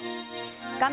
画面